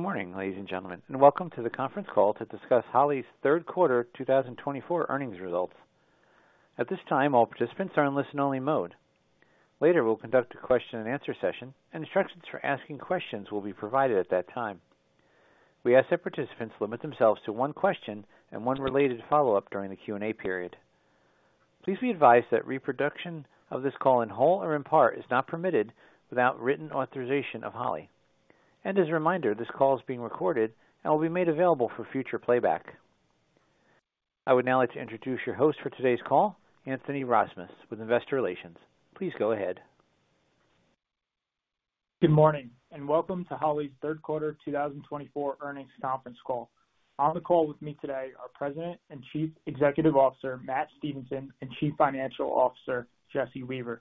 Good morning, ladies and gentlemen, and welcome to the conference call to discuss Holley's Third Quarter 2024 Earnings Results. At this time, all participants are in listen-only mode. Later, we'll conduct a question-and-answer session, and instructions for asking questions will be provided at that time. We ask that participants limit themselves to one question and one related follow-up during the Q&A period. Please be advised that reproduction of this call in whole or in part is not permitted without written authorization of Holley. And as a reminder, this call is being recorded and will be made available for future playback. I would now like to introduce your host for today's call, Anthony Rozmus, with Investor Relations. Please go ahead. Good morning, and welcome to Holley's Third quarter 2024 Earnings Conference Call. On the call with me today are President and Chief Executive Officer Matt Stevenson and Chief Financial Officer Jesse Weaver.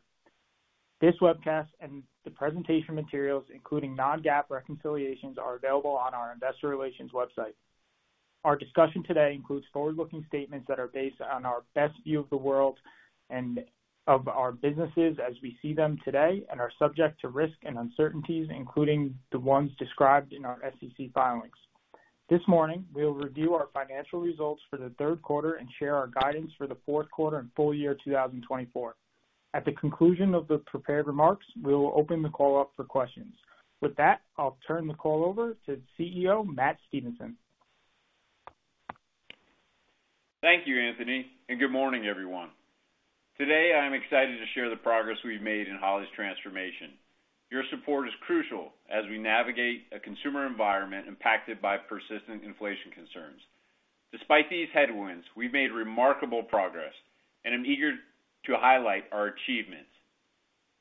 This webcast and the presentation materials, including non-GAAP reconciliations, are available on our Investor Relations website. Our discussion today includes forward-looking statements that are based on our best view of the world and of our businesses as we see them today and are subject to risk and uncertainties, including the ones described in our SEC filings. This morning, we'll review our financial results for the third quarter and share our guidance for the fourth quarter and full year 2024. At the conclusion of the prepared remarks, we'll open the call up for questions. With that, I'll turn the call over to CEO Matt Stevenson. Thank you, Anthony, and good morning, everyone. Today, I'm excited to share the progress we've made in Holley's transformation. Your support is crucial as we navigate a consumer environment impacted by persistent inflation concerns. Despite these headwinds, we've made remarkable progress, and I'm eager to highlight our achievements.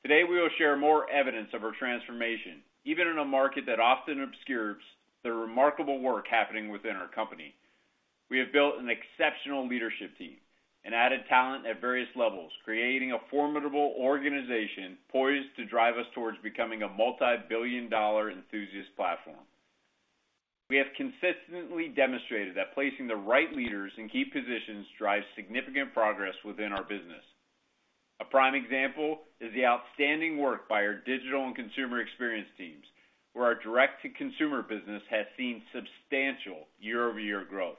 Today, we will share more evidence of our transformation, even in a market that often obscures the remarkable work happening within our company. We have built an exceptional leadership team and added talent at various levels, creating a formidable organization poised to drive us towards becoming a multi-billion dollar enthusiast platform. We have consistently demonstrated that placing the right leaders in key positions drives significant progress within our business. A prime example is the outstanding work by our digital and consumer experience teams, where our direct-to-consumer business has seen substantial year-over-year growth.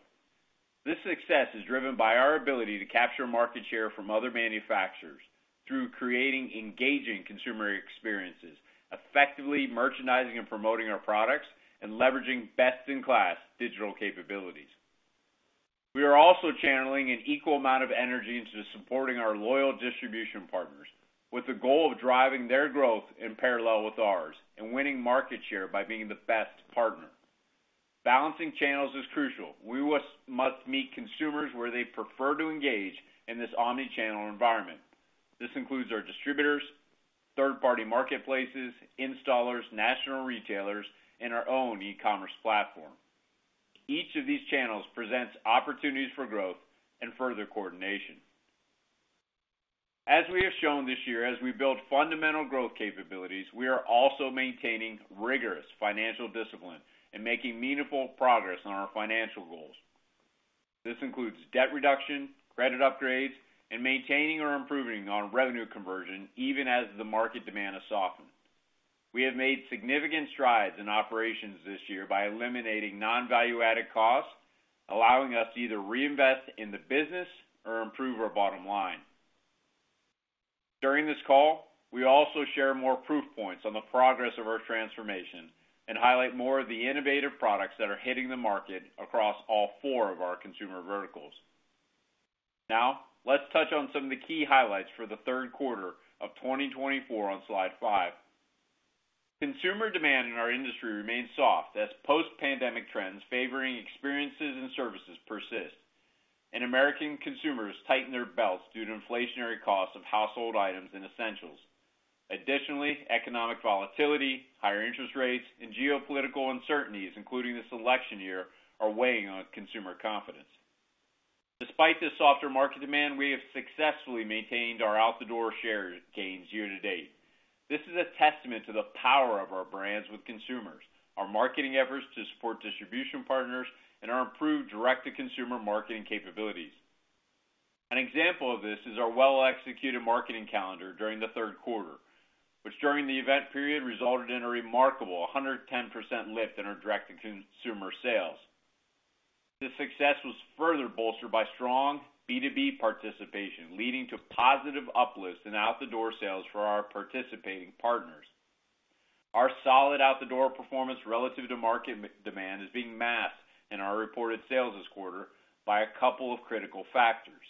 This success is driven by our ability to capture market share from other manufacturers through creating engaging consumer experiences, effectively merchandising and promoting our products, and leveraging best-in-class digital capabilities. We are also channeling an equal amount of energy into supporting our loyal distribution partners, with the goal of driving their growth in parallel with ours and winning market share by being the best partner. Balancing channels is crucial. We must meet consumers where they prefer to engage in this omnichannel environment. This includes our distributors, third-party marketplaces, installers, national retailers, and our own e-commerce platform. Each of these channels presents opportunities for growth and further coordination. As we have shown this year, as we build fundamental growth capabilities, we are also maintaining rigorous financial discipline and making meaningful progress on our financial goals. This includes debt reduction, credit upgrades, and maintaining or improving on revenue conversion, even as the market demand has softened. We have made significant strides in operations this year by eliminating non-value-added costs, allowing us to either reinvest in the business or improve our bottom line. During this call, we also share more proof points on the progress of our transformation and highlight more of the innovative products that are hitting the market across all four of our consumer verticals. Now, let's touch on some of the key highlights for the third quarter of 2024 on Slide 5. Consumer demand in our industry remains soft as post-pandemic trends favoring experiences and services persist, and American consumers tighten their belts due to inflationary costs of household items and essentials. Additionally, economic volatility, higher interest rates, and geopolitical uncertainties, including this election year, are weighing on consumer confidence. Despite this softer market demand, we have successfully maintained our out-the-door share gains year to date. This is a testament to the power of our brands with consumers, our marketing efforts to support distribution partners, and our improved direct-to-consumer marketing capabilities. An example of this is our well-executed marketing calendar during the third quarter, which during the event period resulted in a remarkable 110% lift in our direct-to-consumer sales. This success was further bolstered by strong B2B participation, leading to positive uplifts in out-the-door sales for our participating partners. Our solid out-the-door performance relative to market demand is being masked in our reported sales this quarter by a couple of critical factors.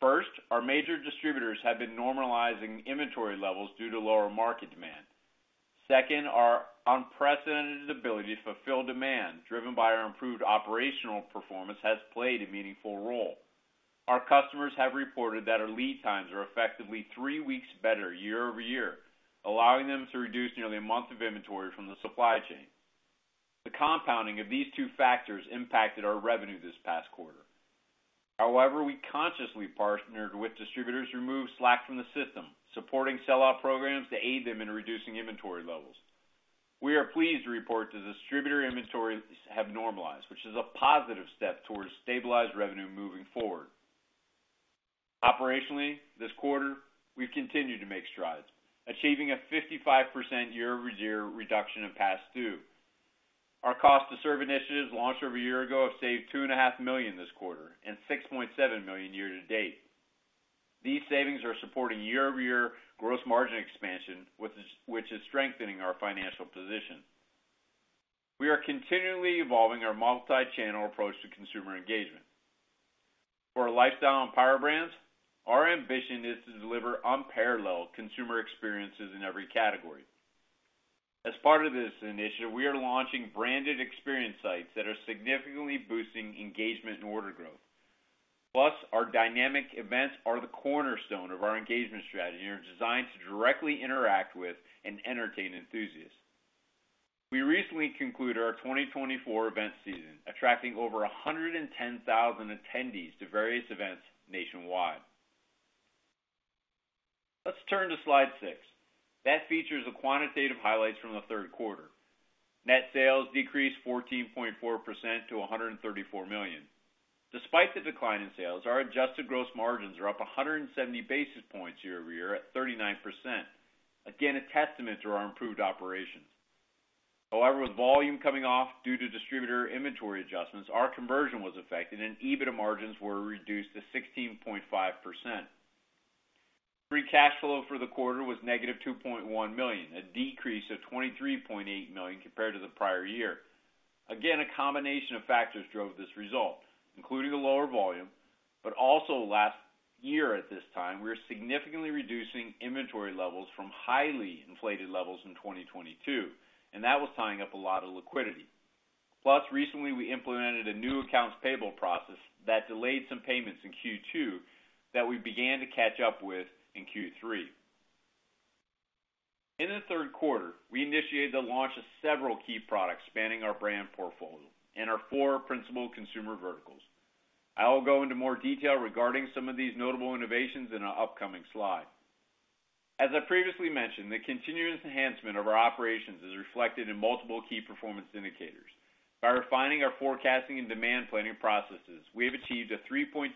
First, our major distributors have been normalizing inventory levels due to lower market demand. Second, our unprecedented ability to fulfill demand, driven by our improved operational performance, has played a meaningful role. Our customers have reported that our lead times are effectively three weeks better year-over-year, allowing them to reduce nearly a month of inventory from the supply chain. The compounding of these two factors impacted our revenue this past quarter. However, we consciously partnered with distributors to remove slack from the system, supporting sellout programs to aid them in reducing inventory levels. We are pleased to report the distributor inventories have normalized, which is a positive step towards stabilized revenue moving forward. Operationally, this quarter, we've continued to make strides, achieving a 55% year-over-year reduction in past due. Our cost-to-serve initiatives launched over a year ago have saved $2.5 million this quarter and $6.7 million year to date. These savings are supporting year-over-year gross margin expansion, which is strengthening our financial position. We are continually evolving our multi-channel approach to consumer engagement. For our lifestyle and power brands, our ambition is to deliver unparalleled consumer experiences in every category. As part of this initiative, we are launching branded experience sites that are significantly boosting engagement and order growth. Plus, our dynamic events are the cornerstone of our engagement strategy and are designed to directly interact with and entertain enthusiasts. We recently concluded our 2024 event season, attracting over 110,000 attendees to various events nationwide. Let's turn to Slide 6, that features the quantitative highlights from the third quarter. Net sales decreased 14.4% to $134 million. Despite the decline in sales, our adjusted gross margins are up 170 basis points year-over-year at 39%, again a testament to our improved operations. However, with volume coming off due to distributor inventory adjustments, our conversion was affected, and EBITDA margins were reduced to 16.5%.-Free cash flow for the quarter was negative $2.1 million, a decrease of $23.8 million compared to the prior year. Again, a combination of factors drove this result, including the lower volume, but also last year at this time, we were significantly reducing inventory levels from highly inflated levels in 2022, and that was tying up a lot of liquidity. Plus, recently, we implemented a new accounts payable process that delayed some payments in Q2 that we began to catch up with in Q3. In the third quarter, we initiated the launch of several key products spanning our brand portfolio and our four principal consumer verticals. I'll go into more detail regarding some of these notable innovations in an upcoming slide. As I previously mentioned, the continuous enhancement of our operations is reflected in multiple key performance indicators. By refining our forecasting and demand planning processes, we have achieved a 3.2%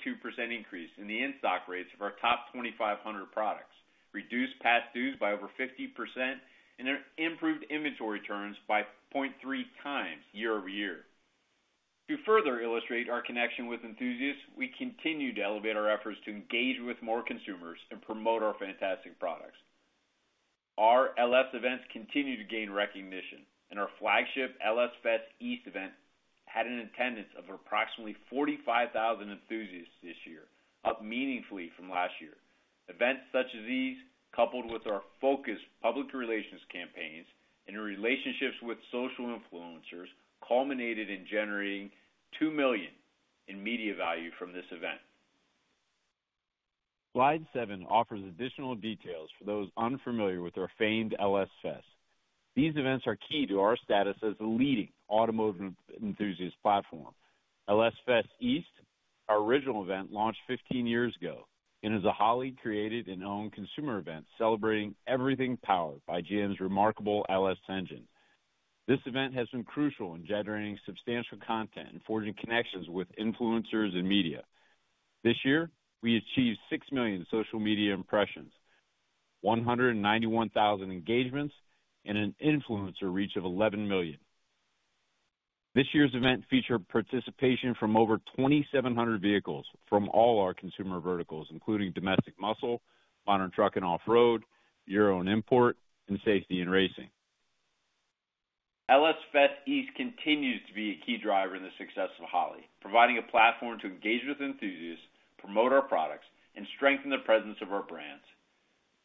increase in the in-stock rates of our top 2,500 products, reduced past dues by over 50%, and improved inventory turns by 0.3 times year-over-year. To further illustrate our connection with enthusiasts, we continue to elevate our efforts to engage with more consumers and promote our fantastic products. Our LS events continue to gain recognition, and our flagship LS Fest East event had an attendance of approximately 45,000 enthusiasts this year, up meaningfully from last year. Events such as these, coupled with our focused public relations campaigns and relationships with social influencers, culminated in generating $2 million in media value from this event. Slide 7 offers additional details for those unfamiliar with our famed LS Fest. These events are key to our status as a leading automotive enthusiast platform. LS Fest East, our original event, launched 15 years ago and is a Holley-created and owned consumer event celebrating everything powered by GM's remarkable LS engines. This event has been crucial in generating substantial content and forging connections with influencers and media. This year, we achieved 6 million social media impressions, 191,000 engagements, and an influencer reach of 11 million. This year's event featured participation from over 2,700 vehicles from all our consumer verticals, including Domestic Muscle, Modern Truck & Off-Road, Euro & Import, and Safety & Racing. LS Fest East continues to be a key driver in the success of Holley, providing a platform to engage with enthusiasts, promote our products, and strengthen the presence of our brands.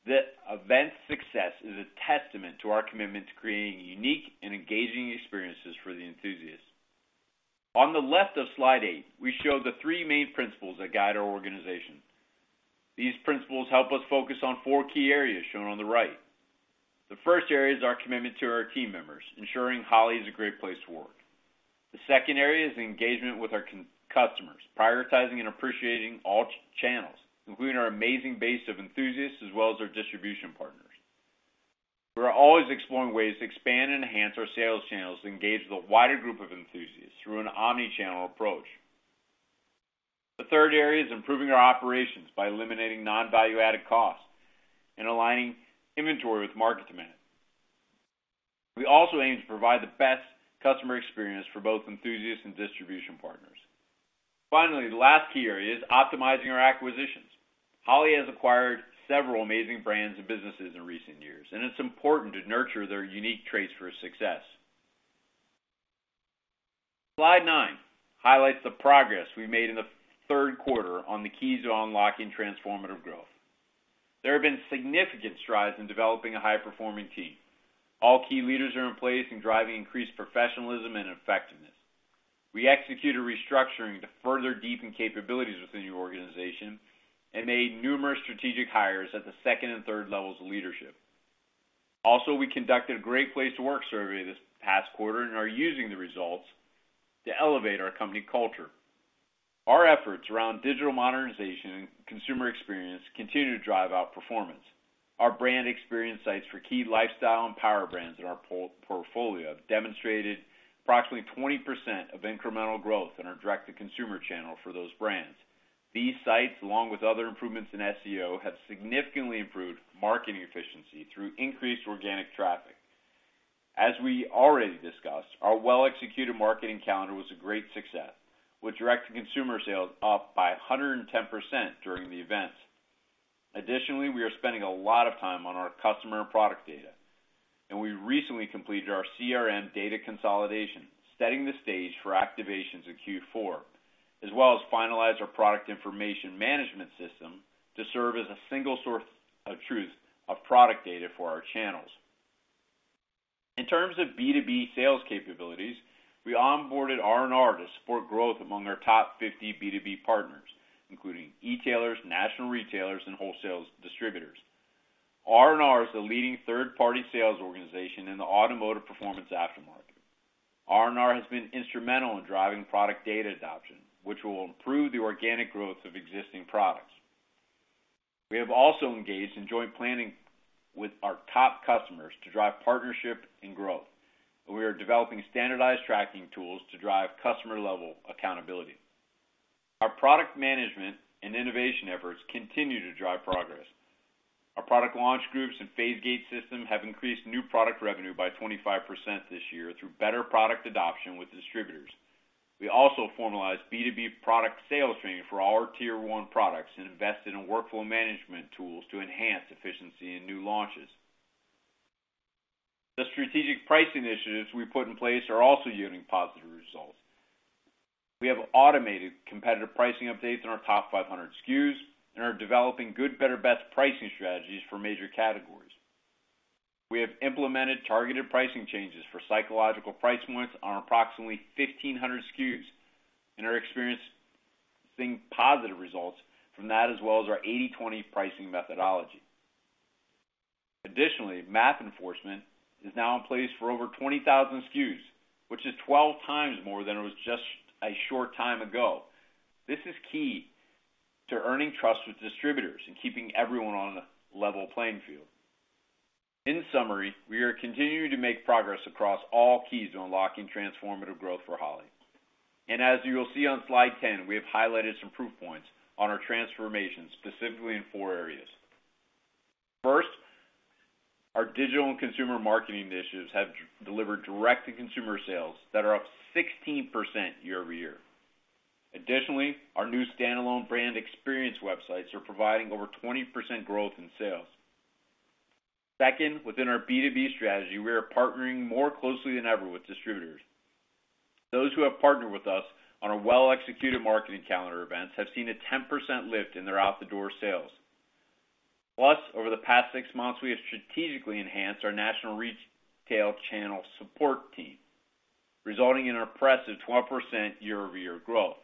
The event's success is a testament to our commitment to creating unique and engaging experiences for the enthusiasts. On the left of Slide 8, we show the three main principles that guide our organization. These principles help us focus on four key areas shown on the right. The first area is our commitment to our team members, ensuring Holley is a great place to work. The second area is engagement with our customers, prioritizing and appreciating all channels, including our amazing base of enthusiasts as well as our distribution partners. We are always exploring ways to expand and enhance our sales channels to engage with a wider group of enthusiasts through an omnichannel approach. The third area is improving our operations by eliminating non-value-added costs and aligning inventory with market demand. We also aim to provide the best customer experience for both enthusiasts and distribution partners. Finally, the last key area is optimizing our acquisitions. Holley has acquired several amazing brands and businesses in recent years, and it's important to nurture their unique traits for success. Slide 9 highlights the progress we made in the third quarter on the keys to unlocking transformative growth. There have been significant strides in developing a high-performing team. All key leaders are in place and driving increased professionalism and effectiveness. We executed restructuring to further deepen capabilities within the organization and made numerous strategic hires at the second and third levels of leadership. Also, we conducted a Great Place to Work survey this past quarter and are using the results to elevate our company culture. Our efforts around digital modernization and consumer experience continue to drive out performance. Our brand experience sites for key lifestyle and power brands in our portfolio have demonstrated approximately 20% of incremental growth in our direct-to-consumer channel for those brands. These sites, along with other improvements in SEO, have significantly improved marketing efficiency through increased organic traffic. As we already discussed, our well-executed marketing calendar was a great success, with direct-to-consumer sales up by 110% during the event. Additionally, we are spending a lot of time on our customer and product data, and we recently completed our CRM data consolidation, setting the stage for activations in Q4, as well as finalized our product information management system to serve as a single source of truth of product data for our channels. In terms of B2B sales capabilities, we onboarded R&R to support growth among our top 50 B2B partners, including e-tailers, national retailers, and wholesale distributors. R&R is the leading third-party sales organization in the automotive performance aftermarket. R&R has been instrumental in driving product data adoption, which will improve the organic growth of existing products. We have also engaged in joint planning with our top customers to drive partnership and growth, and we are developing standardized tracking tools to drive customer-level accountability. Our product management and innovation efforts continue to drive progress. Our product launch groups and Phase-Gate system have increased new product revenue by 25% this year through better product adoption with distributors. We also formalized B2B product sales training for our Tier one products and invested in workflow management tools to enhance efficiency in new launches. The strategic pricing initiatives we put in place are also yielding positive results. We have automated competitive pricing updates in our top 500 SKUs and are developing good, better, best pricing strategies for major categories. We have implemented targeted pricing changes for psychological price points on approximately 1,500 SKUs and are experiencing positive results from that, as well as our 80/20 pricing methodology. Additionally, MAP enforcement is now in place for over 20,000 SKUs, which is 12x more than it was just a short time ago. This is key to earning trust with distributors and keeping everyone on a level playing field. In summary, we are continuing to make progress across all keys to unlocking transformative growth for Holley and as you will see on Slide 10, we have highlighted some proof points on our transformation, specifically in four areas. First, our digital and consumer marketing initiatives have delivered direct-to-consumer sales that are up 16% year-over-year. Additionally, our new standalone brand experience websites are providing over 20% growth in sales. Second, within our B2B strategy, we are partnering more closely than ever with distributors. Those who have partnered with us on our well-executed marketing calendar events have seen a 10% lift in their out-the-door sales. Plus, over the past six months, we have strategically enhanced our national retail channel support team, resulting in an impressive 12% year-over-year growth.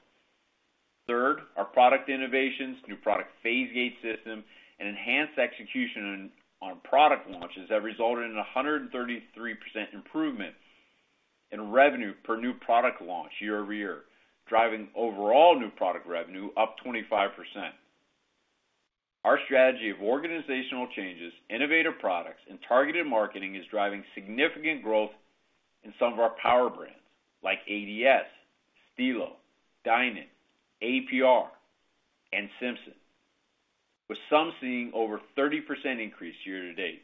Third, our product innovations, new product PhaseGate system, and enhanced execution on product launches have resulted in a 133% improvement in revenue per new product launch year-over-year, driving overall new product revenue up 25%. Our strategy of organizational changes, innovative products, and targeted marketing is driving significant growth in some of our power brands like ADS, Stilo, Dinan, APR, and Simpson, with some seeing over 30% increase year to date.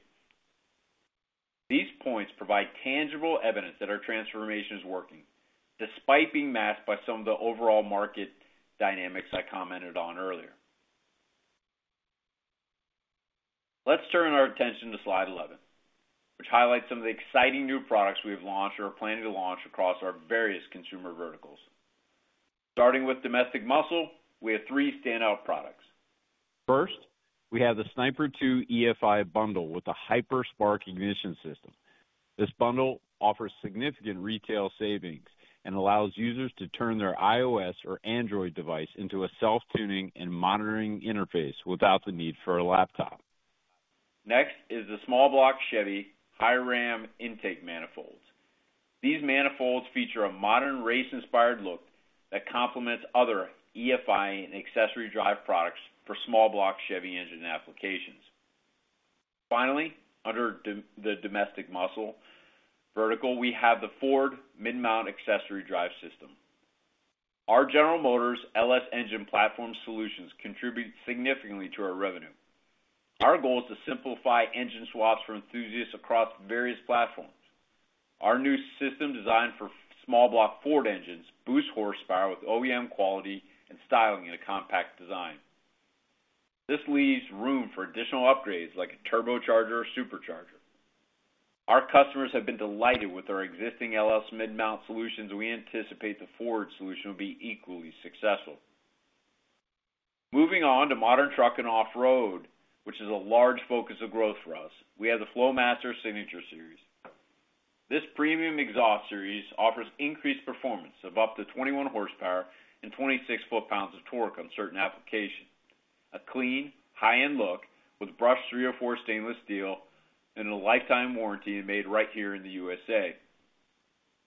These points provide tangible evidence that our transformation is working, despite being masked by some of the overall market dynamics I commented on earlier. Let's turn our attention to Slide 11, which highlights some of the exciting new products we have launched or are planning to launch across our various consumer verticals. Starting with Domestic Muscle, we have three standout products. First, we have the Sniper 2 EFI bundle with a HyperSpark ignition system. This bundle offers significant retail savings and allows users to turn their iOS or Android device into a self-tuning and monitoring interface without the need for a laptop. Next is the Small Block Chevy Hi-Ram Intake Manifolds. These manifolds feature a modern race-inspired look that complements other EFI and accessory drive products for small block Chevy engine applications. Finally, under the domestic muscle vertical, we have the Ford Mid-Mount Accessory Drive System. Our General Motors LS engine platform solutions contribute significantly to our revenue. Our goal is to simplify engine swaps for enthusiasts across various platforms. Our new system designed for Small Block Ford engines boosts horsepower with OEM quality and styling in a compact design. This leaves room for additional upgrades like a turbocharger or supercharger. Our customers have been delighted with our existing LS Mid-Mount solutions. We anticipate the Ford solution will be equally successful. Moving on to Modern Truck & Off-Road, which is a large focus of growth for us, we have the Flowmaster Signature Series. This premium exhaust series offers increased performance of up to 21 horsepower and 26 foot-pounds of torque on certain applications. A clean, high-end look with brushed 304 stainless steel and a lifetime warranty made right here in the USA.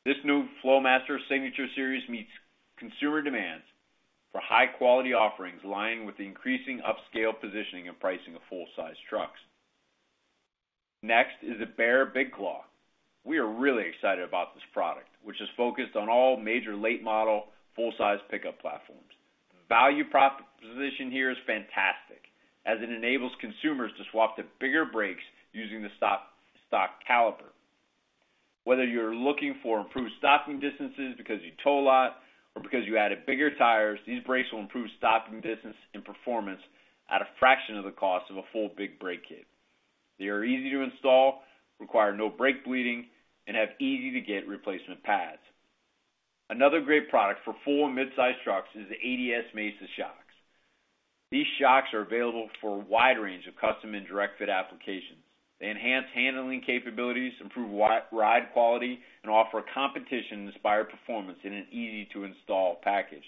This new Flowmaster Signature series meets consumer demands for high-quality offerings aligning with the increasing upscale positioning and pricing of full-size trucks. Next is the Baer Big Claw. We are really excited about this product, which is focused on all major late-model full-size pickup platforms. The value proposition here is fantastic as it enables consumers to swap to bigger brakes using the stock caliper. Whether you're looking for improved stopping distances because you tow a lot or because you added bigger tires, these brakes will improve stopping distance and performance at a fraction of the cost of a full big brake kit. They are easy to install, require no brake bleeding, and have easy-to-get replacement pads. Another great product for full and mid-size trucks is the ADS Mesa Shocks. These shocks are available for a wide range of custom and direct-fit applications. They enhance handling capabilities, improve ride quality, and offer a competition-inspired performance in an easy-to-install package.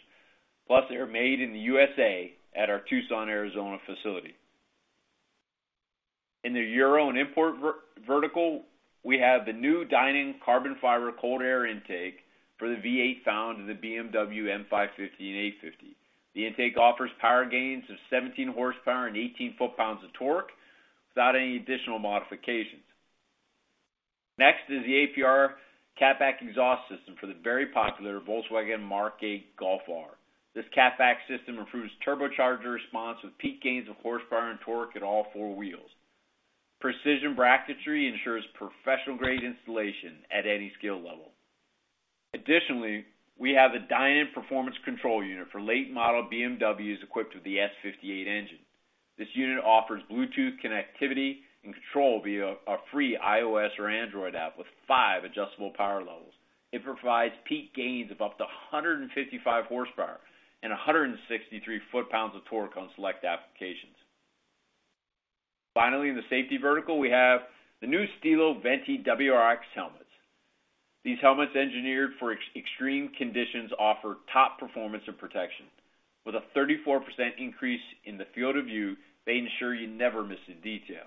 Plus, they are made in the USA at our Tucson, Arizona facility. In the Euro & Import vertical, we have the new Dinan carbon fiber cold air intake for the V8 found in the BMW M550 and 850. The intake offers power gains of 17 horsepower and 18 foot-pounds of torque without any additional modifications. Next is the APR cat-back exhaust system for the very popular Volkswagen Mark 8 Golf R. This cat-back system improves turbocharger response with peak gains of horsepower and torque at all four wheels. Precision bracketry ensures professional-grade installation at any skill level. Additionally, we have the Dinan performance control unit for late-model BMWs equipped with the S58 engine. This unit offers Bluetooth connectivity and control via a free iOS or Android app with five adjustable power levels. It provides peak gains of up to 155 horsepower and 163 foot-pounds of torque on select applications. Finally, in the safety vertical, we have the new Stilo Venti WRC helmets. These helmets, engineered for extreme conditions, offer top performance and protection. With a 34% increase in the field of view, they ensure you never miss a detail.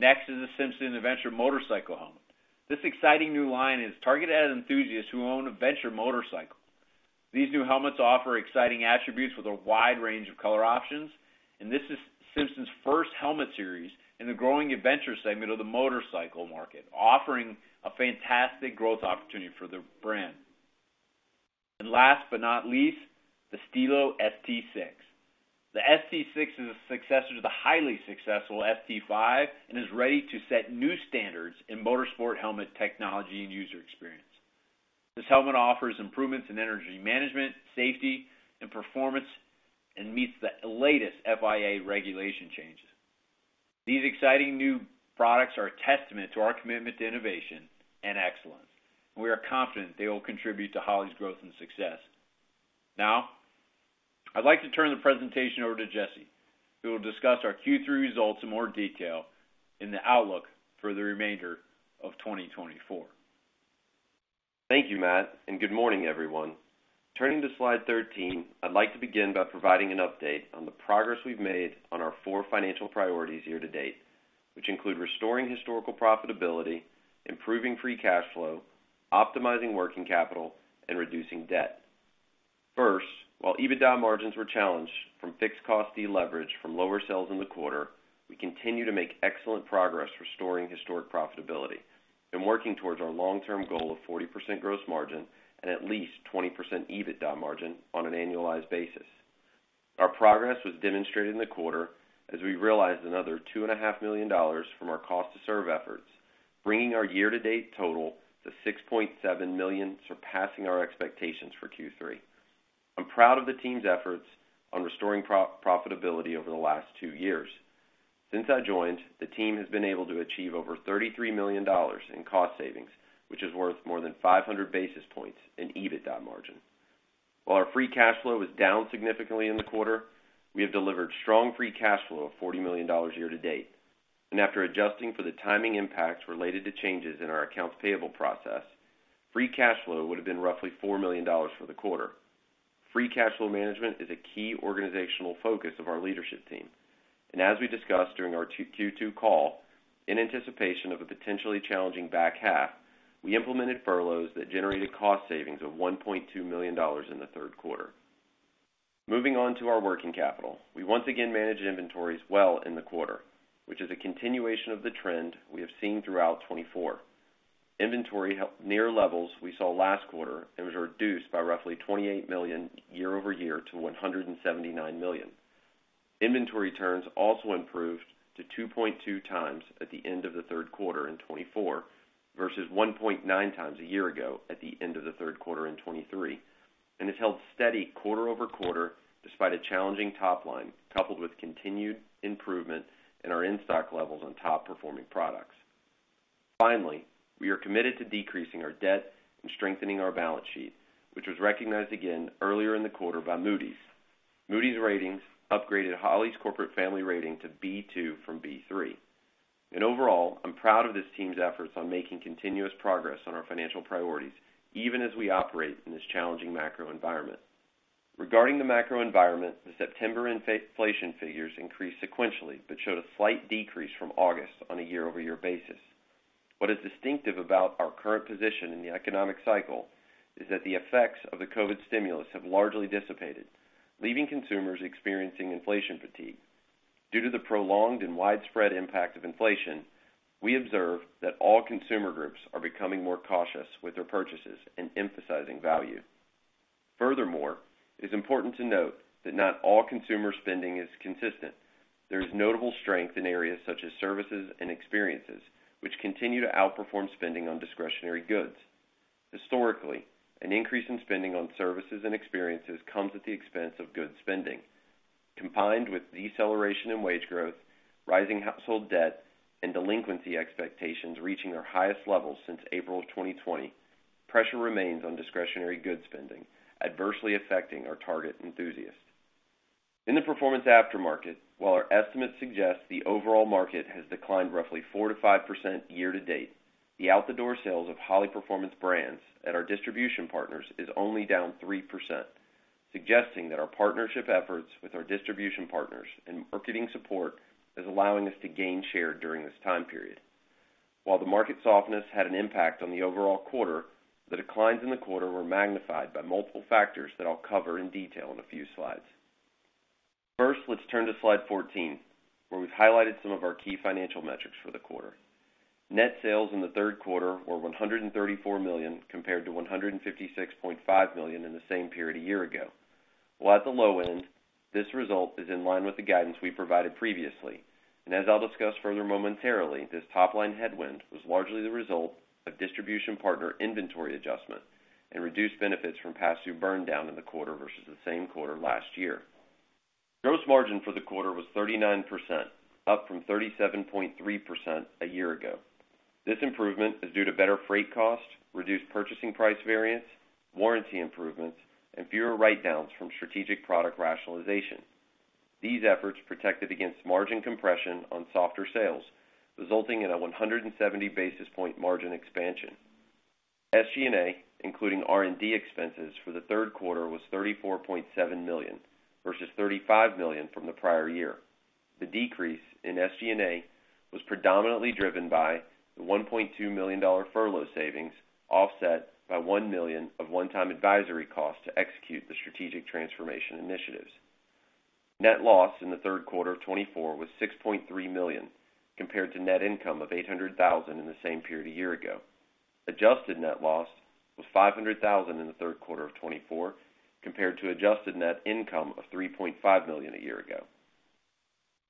Next is the Simpson Adventure motorcycle helmet. This exciting new line is targeted at enthusiasts who own an adventure motorcycle. These new helmets offer exciting attributes with a wide range of color options, and this is Simpson's first helmet series in the growing adventure segment of the motorcycle market, offering a fantastic growth opportunity for the brand. And last but not least, the Stilo ST6. The ST6 is a successor to the highly successful ST5 and is ready to set new standards in motorsport helmet technology and user experience. This helmet offers improvements in energy management, safety, and performance, and meets the latest FIA regulation changes. These exciting new products are a testament to our commitment to innovation and excellence, and we are confident they will contribute to Holley's growth and success. Now, I'd like to turn the presentation over to Jesse, who will discuss our Q3 results in more detail and the outlook for the remainder of 2024. Thank you, Matt, and good morning, everyone. Turning to Slide 13, I'd like to begin by providing an update on the progress we've made on our four financial priorities year to date, which include restoring historical profitability, improving free cash flow, optimizing working capital, and reducing debt. First, while EBITDA margins were challenged from fixed cost deleverage from lower sales in the quarter, we continue to make excellent progress restoring historic profitability and working towards our long-term goal of 40% gross margin and at least 20% EBITDA margin on an annualized basis. Our progress was demonstrated in the quarter as we realized another $2.5 million from our cost-to-serve efforts, bringing our year-to-date total to $6.7 million, surpassing our expectations for Q3. I'm proud of the team's efforts on restoring profitability over the last two years. Since I joined, the team has been able to achieve over $33 million in cost savings, which is worth more than 500 basis points in EBITDA margin. While our free cash flow was down significantly in the quarter, we have delivered strong free cash flow of $40 million year to date, and after adjusting for the timing impacts related to changes in our accounts payable process, free cash flow would have been roughly $4 million for the quarter. Free cash flow management is a key organizational focus of our leadership team, and as we discussed during our Q2 call, in anticipation of a potentially challenging back half, we implemented furloughs that generated cost savings of $1.2 million in the third quarter. Moving on to our working capital, we once again managed inventories well in the quarter, which is a continuation of the trend we have seen throughout 2024. Inventory near levels we saw last quarter and was reduced by roughly $28 million year-over-year to $179 million. Inventory turns also improved to 2.2x at the end of the third quarter in 2024 versus 1.9x a year ago at the end of the third quarter in 2023, and has held steady quarter over quarter despite a challenging top line coupled with continued improvement in our in-stock levels on top-performing products. Finally, we are committed to decreasing our debt and strengthening our balance sheet, which was recognized again earlier in the quarter by Moody's. Moody's ratings upgraded Holley's corporate family rating to B2 from B3. Overall, I'm proud of this team's efforts on making continuous progress on our financial priorities, even as we operate in this challenging macro environment. Regarding the macro environment, the September inflation figures increased sequentially but showed a slight decrease from August on a year-over-year basis. What is distinctive about our current position in the economic cycle is that the effects of the COVID stimulus have largely dissipated, leaving consumers experiencing inflation fatigue. Due to the prolonged and widespread impact of inflation, we observe that all consumer groups are becoming more cautious with their purchases and emphasizing value. Furthermore, it is important to note that not all consumer spending is consistent. There is notable strength in areas such as services and experiences, which continue to outperform spending on discretionary goods. Historically, an increase in spending on services and experiences comes at the expense of goods spending. Combined with deceleration in wage growth, rising household debt, and delinquency expectations reaching their highest levels since April of 2020, pressure remains on discretionary goods spending, adversely affecting our target enthusiasts. In the performance aftermarket, while our estimates suggest the overall market has declined roughly 4%-5% year to date, the out-the-door sales of Holley Performance brands at our distribution partners is only down 3%, suggesting that our partnership efforts with our distribution partners and marketing support is allowing us to gain share during this time period. While the market softness had an impact on the overall quarter, the declines in the quarter were magnified by multiple factors that I'll cover in detail in a few slides. First, let's turn to Slide 14, where we've highlighted some of our key financial metrics for the quarter. Net sales in the third quarter were $134 million compared to $156.5 million in the same period a year ago. While at the low end, this result is in line with the guidance we provided previously, and as I'll discuss further momentarily, this top-line headwind was largely the result of distribution partner inventory adjustment and reduced benefits from past due burn down in the quarter versus the same quarter last year. Gross margin for the quarter was 39%, up from 37.3% a year ago. This improvement is due to better freight cost, reduced purchasing price variance, warranty improvements, and fewer write-downs from strategic product rationalization. These efforts protected against margin compression on softer sales, resulting in a 170 basis points margin expansion. SG&A, including R&D expenses for the third quarter, was $34.7 million versus $35 million from the prior year. The decrease in SG&A was predominantly driven by the $1.2 million furlough savings offset by $1 million of one-time advisory costs to execute the strategic transformation initiatives. Net loss in the third quarter of 2024 was $6.3 million compared to net income of $800,000 in the same period a year ago. Adjusted net loss was $500,000 in the third quarter of 2024 compared to adjusted net income of $3.5 million a year ago.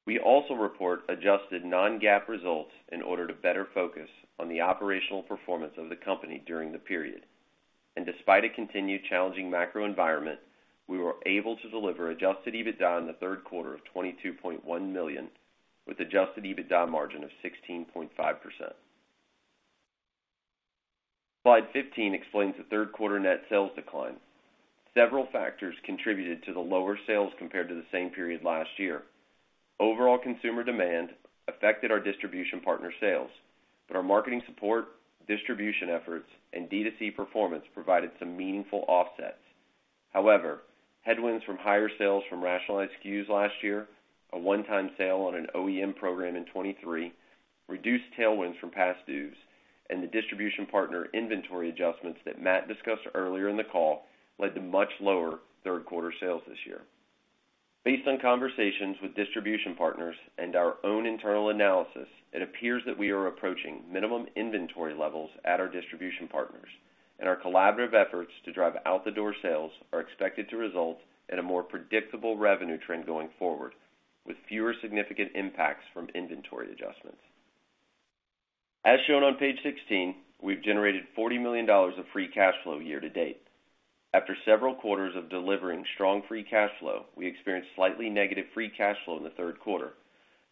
We also report adjusted non-GAAP results in order to better focus on the operational performance of the company during the period. And despite a continued challenging macro environment, we were able to deliver adjusted EBITDA in the third quarter of $22.1 million with adjusted EBITDA margin of 16.5%. Slide 15 explains the third quarter net sales decline. Several factors contributed to the lower sales compared to the same period last year. Overall consumer demand affected our distribution partner sales, but our marketing support, distribution efforts, and DTC performance provided some meaningful offsets. However, headwinds from higher sales from rationalized SKUs last year, a one-time sale on an OEM program in 2023, reduced tailwinds from past dues, and the distribution partner inventory adjustments that Matt discussed earlier in the call led to much lower third-quarter sales this year. Based on conversations with distribution partners and our own internal analysis, it appears that we are approaching minimum inventory levels at our distribution partners, and our collaborative efforts to drive out-the-door sales are expected to result in a more predictable revenue trend going forward, with fewer significant impacts from inventory adjustments. As shown on page 16, we've generated $40 million of free cash flow year to date. After several quarters of delivering strong free cash flow, we experienced slightly negative free cash flow in the third quarter.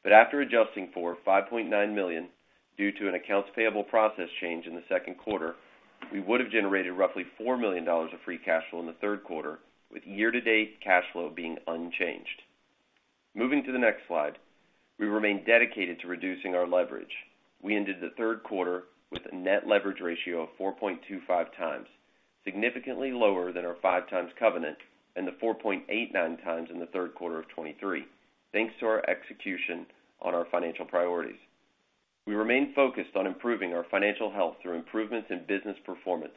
But after adjusting for $5.9 million due to an accounts payable process change in the second quarter, we would have generated roughly $4 million of free cash flow in the third quarter, with year-to-date cash flow being unchanged. Moving to the next slide, we remain dedicated to reducing our leverage. We ended the third quarter with a net leverage ratio of 4.25 times, significantly lower than our 5x covenant and the 4.89x in the third quarter of 2023, thanks to our execution on our financial priorities. We remain focused on improving our financial health through improvements in business performance.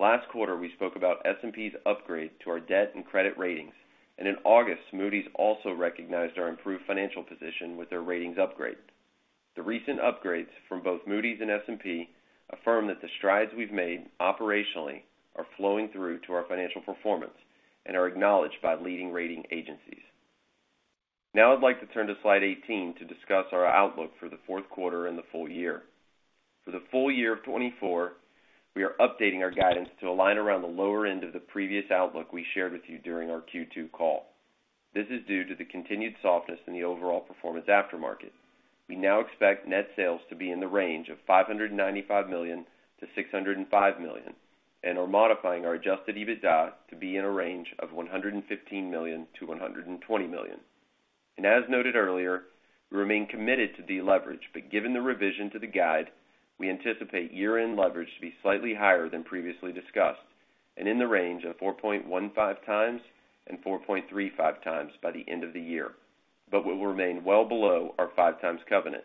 Last quarter, we spoke about S&P's upgrade to our debt and credit ratings, and in August, Moody's also recognized our improved financial position with their ratings upgrade. The recent upgrades from both Moody's and S&P affirm that the strides we've made operationally are flowing through to our financial performance and are acknowledged by leading rating agencies. Now, I'd like to turn to Slide 18 to discuss our outlook for the fourth quarter and the full year. For the full year of 2024, we are updating our guidance to align around the lower end of the previous outlook we shared with you during our Q2 call. This is due to the continued softness in the overall performance aftermarket. We now expect net sales to be in the range of $595 million-$605 million and are modifying our adjusted EBITDA to be in a range of $115 million-$120 million. And as noted earlier, we remain committed to deleverage, but given the revision to the guide, we anticipate year-end leverage to be slightly higher than previously discussed and in the range of 4.15x-4.35x by the end of the year, but we will remain well below our 5x covenant.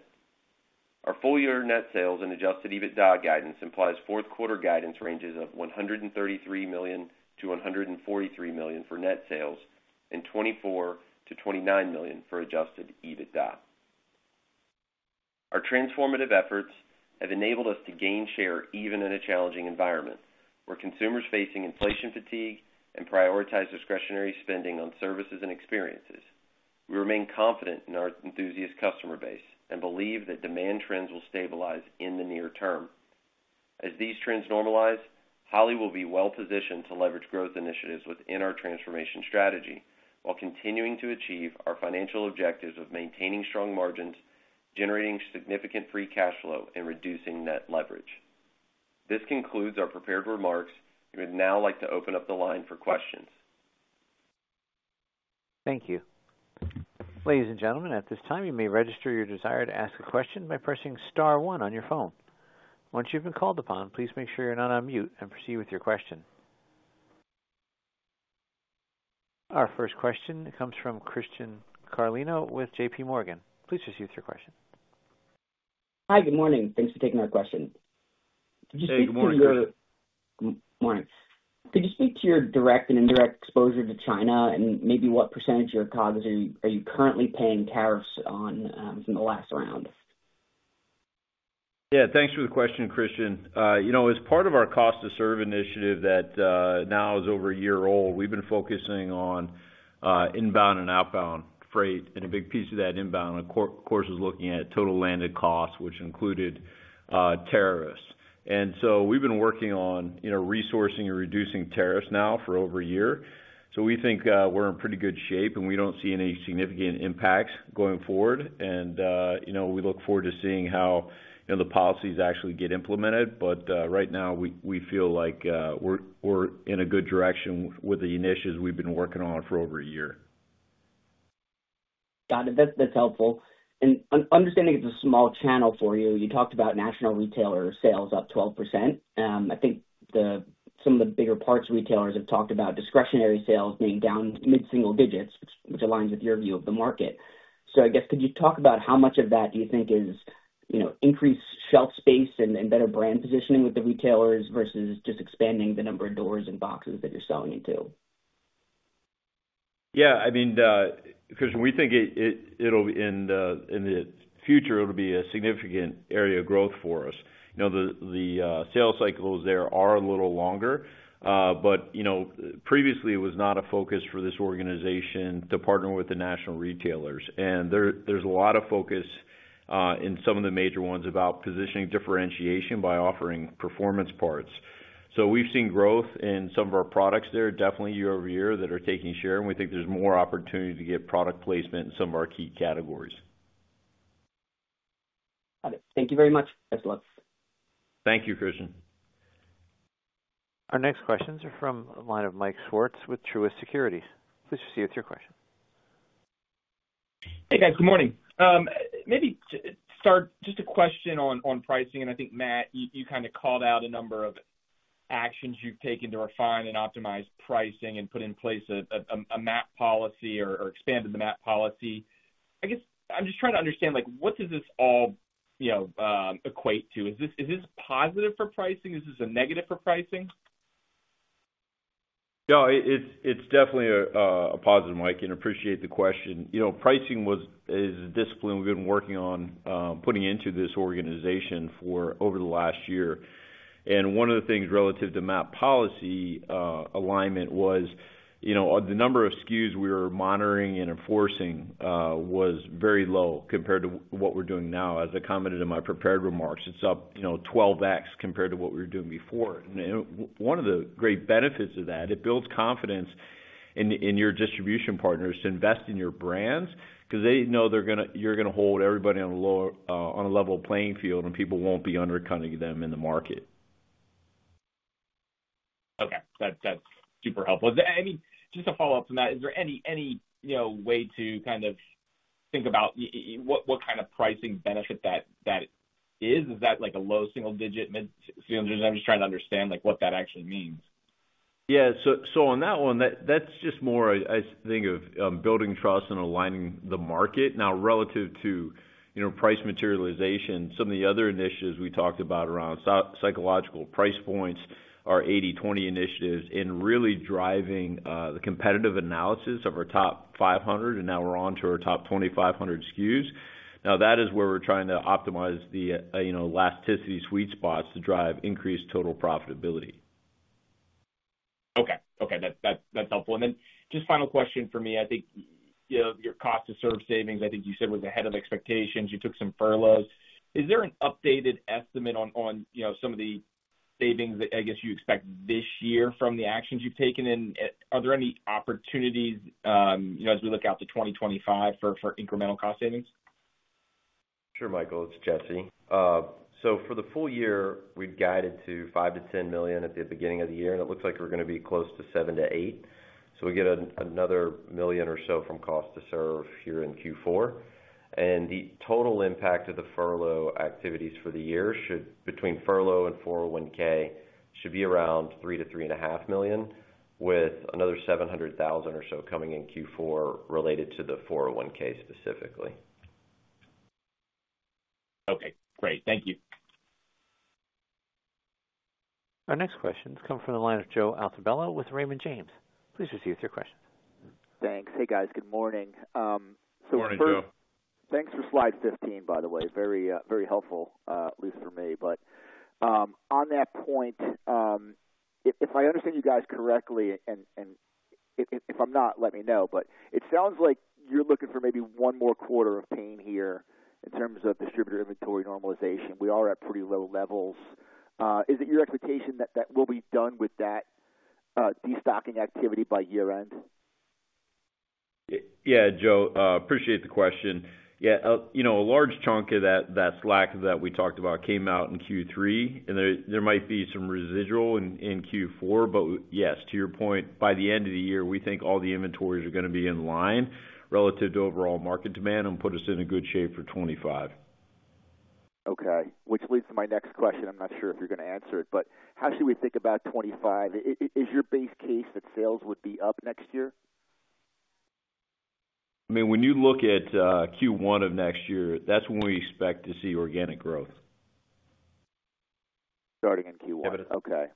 Our full-year net sales and Adjusted EBITDA guidance implies fourth-quarter guidance ranges of $133 million-$143 million for net sales and $24 million-$29 million for Adjusted EBITDA. Our transformative efforts have enabled us to gain share even in a challenging environment where consumers are facing inflation fatigue and prioritize discretionary spending on services and experiences. We remain confident in our enthusiast customer base and believe that demand trends will stabilize in the near term. As these trends normalize, Holley will be well-positioned to leverage growth initiatives within our transformation strategy while continuing to achieve our financial objectives of maintaining strong margins, generating significant free cash flow, and reducing net leverage. This concludes our prepared remarks. We would now like to open up the line for questions. Thank you. Ladies and gentlemen, at this time, you may register your desire to ask a question by pressing star one on your phone. Once you've been called upon, please make sure you're not on mute and proceed with your question. Our first question comes from Christian Carlino with JPMorgan. Please proceed with your question. Hi, good morning. Thanks for taking our question. Hey, good morning. Good morning. Could you speak to your direct and indirect exposure to China and maybe what percentage of your costs are you currently paying tariffs on from the last round? Yeah, thanks for the question, Christian. As part of our cost-to-serve initiative that now is over a year old, we've been focusing on inbound and outbound freight, and a big piece of that inbound, of course, is looking at total landed costs, which included tariffs. And so we've been working on resourcing and reducing tariffs now for over a year. So we think we're in pretty good shape, and we don't see any significant impacts going forward. And we look forward to seeing how the policies actually get implemented. But right now, we feel like we're in a good direction with the initiatives we've been working on for over a year. Got it. That's helpful. And understanding it's a small channel for you, you talked about national retailer sales up 12%. I think some of the bigger parts retailers have talked about discretionary sales being down mid-single digits, which aligns with your view of the market. So I guess, could you talk about how much of that do you think is increased shelf space and better brand positioning with the retailers versus just expanding the number of doors and boxes that you're selling into? Yeah. I mean, Christian, we think in the future, it'll be a significant area of growth for us. The sales cycles there are a little longer, but previously, it was not a focus for this organization to partner with the national retailers. And there's a lot of focus in some of the major ones about positioning differentiation by offering performance parts. So we've seen growth in some of our products there, definitely year-over-year, that are taking share, and we think there's more opportunity to get product placement in some of our key categories. Got it. Thank you very much, Jesse Weaver. Thank you, Christian. Our next questions are from a line of Mike Swartz with Truist Securities. Please proceed with your question. Hey, guys. Good morning. Maybe to start, just a question on pricing, and I think, Matt, you kind of called out a number of actions you've taken to refine and optimize pricing and put in place a MAP policy or expanded the MAP policy. I guess I'm just trying to understand what does this all equate to? Is this positive for pricing? Is this a negative for pricing? Yeah, it's definitely a positive, Mike. I appreciate the question. Pricing is a discipline we've been working on putting into this organization for over the last year, and one of the things relative to MAP policy alignment was the number of SKUs we were monitoring and enforcing was very low compared to what we're doing now. As I commented in my prepared remarks, it's up 12x compared to what we were doing before, and one of the great benefits of that, it builds confidence in your distribution partners to invest in your brands because they know you're going to hold everybody on a level playing field, and people won't be undercutting them in the market. Okay. That's super helpful. I mean, just a follow-up to that, is there any way to kind of think about what kind of pricing benefit that is? Is that like a low single-digit? I'm just trying to understand what that actually means. Yeah. So on that one, that's just more, I think, of building trust and aligning the market. Now, relative to price materialization, some of the other initiatives we talked about around psychological price points are 80/20 initiatives in really driving the competitive analysis of our top 500, and now we're on to our top 2,500 SKUs. Now, that is where we're trying to optimize the elasticity sweet spots to drive increased total profitability. Okay. Okay. That's helpful. And then just final question for me. I think your cost-to-serve savings, I think you said, was ahead of expectations. You took some furloughs. Is there an updated estimate on some of the savings that, I guess, you expect this year from the actions you've taken? And are there any opportunities as we look out to 2025 for incremental cost savings? Sure, Mike. It's Jesse. So for the full year, we've guided to $5 million-$10 million at the beginning of the year, and it looks like we're going to be close to $7 million-$8 million. So we get another $1 million or so from cost-to-serve here in Q4. And the total impact of the furlough activities for the year between furlough and 401(k) should be around $3 million-$3.5 million, with another $700,000 or so coming in Q4 related to the 401(k) specifically. Okay. Great. Thank you. Our next question has come from the line of Joe Altobello with Raymond James. Please proceed with your questions. Thanks. Hey, guys. Good morning. So we're in for. Morning, Joe. Thanks for Slide 15, by the way. Very helpful, at least for me. But on that point, if I understand you guys correctly, and if I'm not, let me know, but it sounds like you're looking for maybe one more quarter of pain here in terms of distributor inventory normalization. We are at pretty low levels. Is it your expectation that we'll be done with that destocking activity by year-end? Yeah, Joe. Appreciate the question. Yeah. A large chunk of that slack that we talked about came out in Q3, and there might be some residual in Q4. But yes, to your point, by the end of the year, we think all the inventories are going to be in line relative to overall market demand and put us in a good shape for 2025. Okay. Which leads to my next question. I'm not sure if you're going to answer it, but how should we think about 2025? Is your base case that sales would be up next year? I mean, when you look at Q1 of next year, that's when we expect to see organic growth. Starting in Q1. Okay.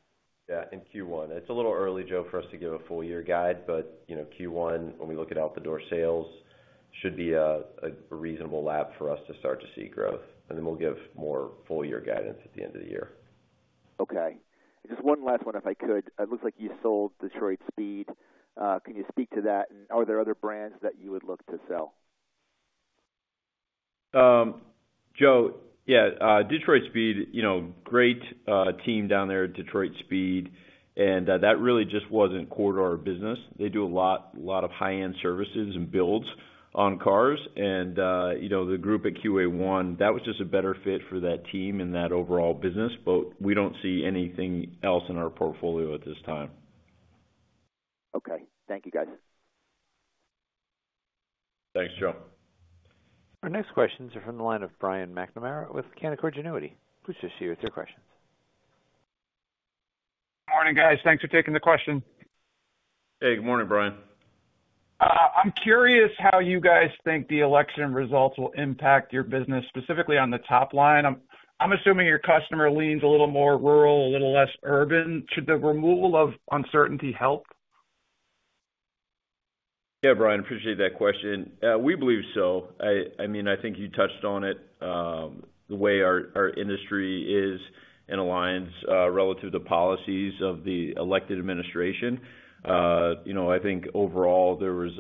Yeah, in Q1. It's a little early, Joe, for us to give a full-year guide, but Q1, when we look at out-the-door sales, should be a reasonable lap for us to start to see growth. And then we'll give more full-year guidance at the end of the year. Okay. Just one last one, if I could. It looks like you sold Detroit Speed. Can you speak to that? And are there other brands that you would look to sell? Joe, yeah. Detroit Speed, great team down there, Detroit Speed. And that really just wasn't core to our business. They do a lot of high-end services and builds on cars. And the group at QA1, that was just a better fit for that team and that overall business. But we don't see anything else in our portfolio at this time. Okay. Thank you, guys. Thanks, Joe. Our next questions are from the line of Brian McNamara with Canaccord Genuity. Please proceed with your questions. Morning, guys. Thanks for taking the question. Hey, good morning, Brian. I'm curious how you guys think the election results will impact your business, specifically on the top line. I'm assuming your customer leans a little more rural, a little less urban. Should the removal of uncertainty help? Yeah, Brian, appreciate that question. We believe so. I mean, I think you touched on it. The way our industry is and aligns relative to policies of the elected administration, I think overall, there was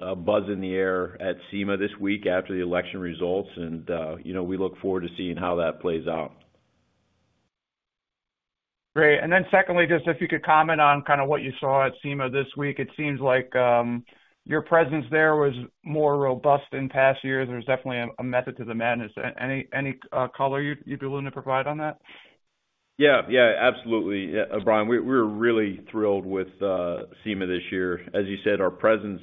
a buzz in the air at SEMA this week after the election results, and we look forward to seeing how that plays out. Great. And then secondly, just if you could comment on kind of what you saw at SEMA this week. It seems like your presence there was more robust in past years. There was definitely a method to the madness. Any color you'd be willing to provide on that? Yeah. Yeah, absolutely. Brian, we were really thrilled with SEMA this year. As you said, our presence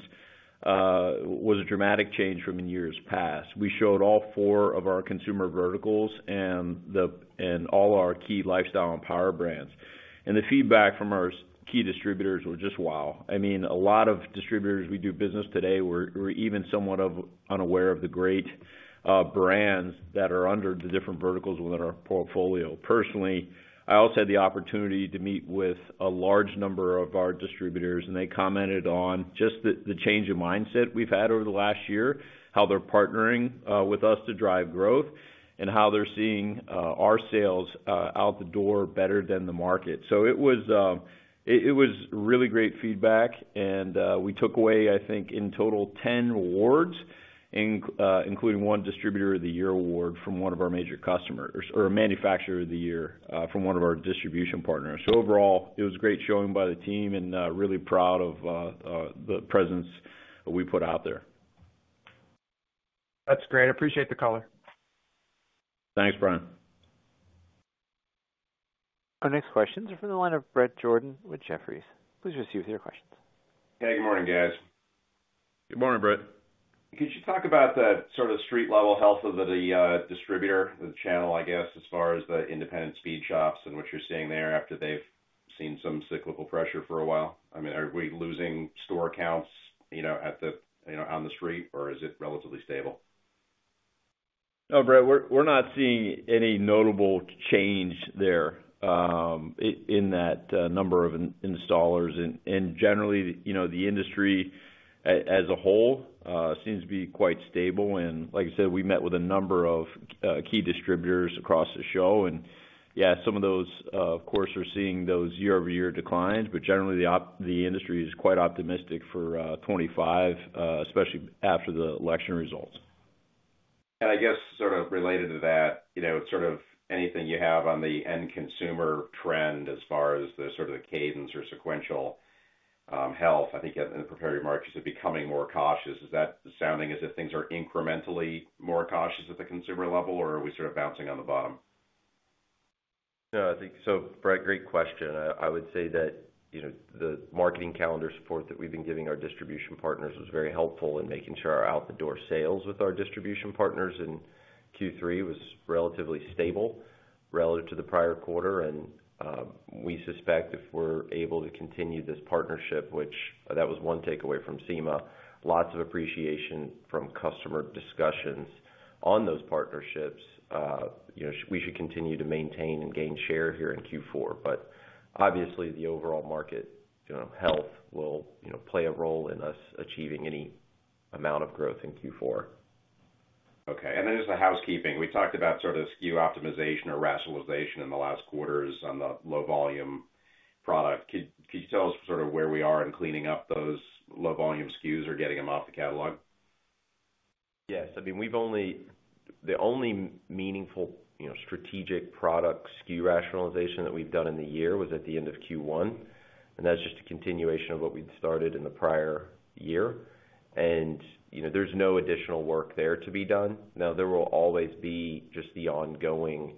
was a dramatic change from in years past. We showed all four of our consumer verticals and all our key lifestyle and power brands, and the feedback from our key distributors was just wow. I mean, a lot of distributors we do business with today were even somewhat unaware of the great brands that are under the different verticals within our portfolio. Personally, I also had the opportunity to meet with a large number of our distributors, and they commented on just the change of mindset we've had over the last year, how they're partnering with us to drive growth, and how they're seeing our sales out the door better than the market, so it was really great feedback. We took away, I think, in total, 10 awards, including one Distributor of the Year award from one of our major customers or a Manufacturer of the Year from one of our distribution partners. Overall, it was great showing by the team and really proud of the presence we put out there. That's great. I appreciate the color. Thanks, Brian. Our next questions are from the line of Bret Jordan with Jefferies. Please proceed with your questions. Hey, good morning, guys. Good morning, Bret. Could you talk about the sort of street-level health of the distributor, the channel, I guess, as far as the independent speed shops and what you're seeing there after they've seen some cyclical pressure for a while? I mean, are we losing store counts on the street, or is it relatively stable? No, Bret, we're not seeing any notable change there in that number of installers. And generally, the industry as a whole seems to be quite stable. And like I said, we met with a number of key distributors across the show. And yeah, some of those, of course, are seeing those year-over-year declines. But generally, the industry is quite optimistic for 2025, especially after the election results. I guess sort of related to that, sort of anything you have on the end consumer trend as far as sort of the cadence or sequential health. I think in the prepared remarks, you said becoming more cautious. Is that sounding as if things are incrementally more cautious at the consumer level, or are we sort of bouncing on the bottom? Yeah. So Bret, great question. I would say that the marketing calendar support that we've been giving our distribution partners was very helpful in making sure our out-the-door sales with our distribution partners in Q3 was relatively stable relative to the prior quarter. And we suspect if we're able to continue this partnership, which that was one takeaway from SEMA, lots of appreciation from customer discussions on those partnerships, we should continue to maintain and gain share here in Q4. But obviously, the overall market health will play a role in us achieving any amount of growth in Q4. Okay. And then just the housekeeping. We talked about sort of SKU optimization or rationalization in the last quarters on the low-volume product. Could you tell us sort of where we are in cleaning up those low-volume SKUs or getting them off the catalog? Yes. I mean, the only meaningful strategic product SKU rationalization that we've done in the year was at the end of Q1. And that's just a continuation of what we'd started in the prior year. And there's no additional work there to be done. Now, there will always be just the ongoing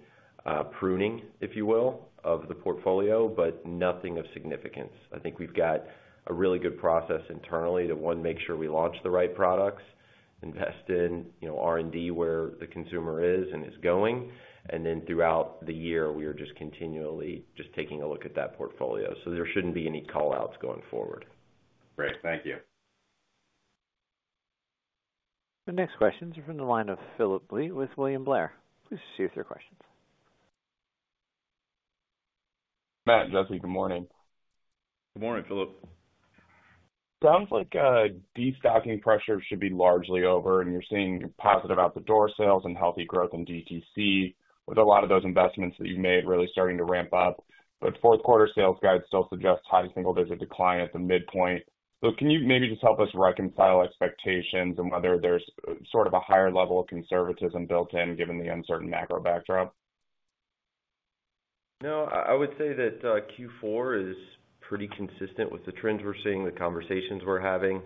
pruning, if you will, of the portfolio, but nothing of significance. I think we've got a really good process internally to, one, make sure we launch the right products, invest in R&D where the consumer is and is going. And then throughout the year, we are just continually just taking a look at that portfolio. So there shouldn't be any callouts going forward. Great. Thank you. The next questions are from the line of Phillip Blee with William Blair. Please proceed with your questions. Matt, Jesse, good morning. Good morning, Phillip. Sounds like destocking pressure should be largely over, and you're seeing positive out-the-door sales and healthy growth in DTC with a lot of those investments that you've made really starting to ramp up. But fourth-quarter sales guide still suggests high single-digit decline at the midpoint. So can you maybe just help us reconcile expectations and whether there's sort of a higher level of conservatism built in given the uncertain macro backdrop? No, I would say that Q4 is pretty consistent with the trends we're seeing, the conversations we're having.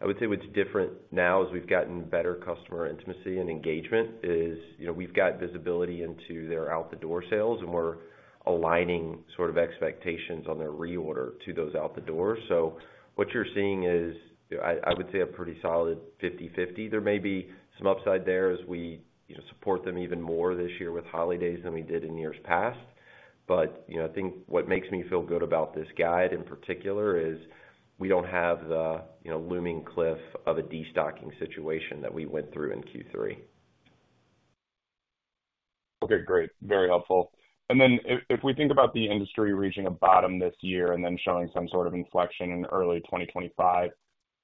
I would say what's different now as we've gotten better customer intimacy and engagement is we've got visibility into their out-the-door sales, and we're aligning sort of expectations on their reorder to those out-the-door. So what you're seeing is, I would say, a pretty solid 50/50. There may be some upside there as we support them even more this year with holidays than we did in years past. But I think what makes me feel good about this guide in particular is we don't have the looming cliff of a destocking situation that we went through in Q3. Okay. Great. Very helpful. And then if we think about the industry reaching a bottom this year and then showing some sort of inflection in early 2025,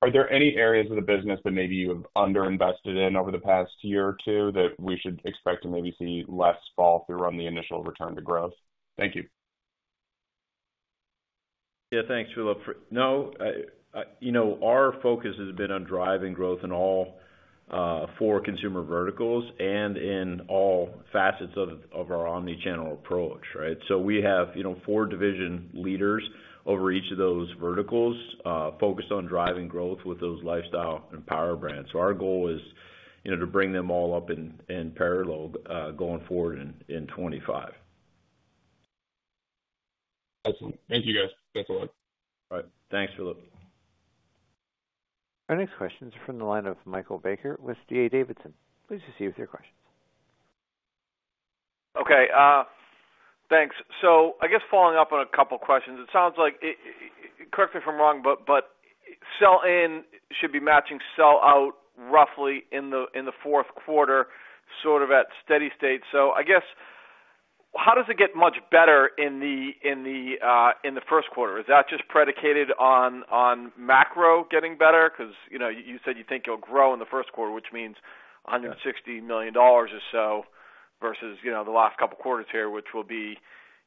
are there any areas of the business that maybe you have underinvested in over the past year or two that we should expect to maybe see less fall through on the initial return to growth? Thank you. Yeah. Thanks, Phillip. No, our focus has been on driving growth in all four consumer verticals and in all facets of our omnichannel approach, right? So we have four division leaders over each of those verticals focused on driving growth with those lifestyle and power brands. So our goal is to bring them all up in parallel going forward in 2025. Awesome. Thank you, guys. Thanks a lot. All right. Thanks, Phillip. Our next question is from the line of Michael Baker with D.A. Davidson. Please proceed with your questions. Okay. Thanks. So I guess following up on a couple of questions, it sounds like, correct me if I'm wrong, but sell-in should be matching sell-out roughly in the fourth quarter sort of at steady state. So I guess, how does it get much better in the first quarter? Is that just predicated on macro getting better? Because you said you think you'll grow in the first quarter, which means $160 million or so versus the last couple of quarters here, which will be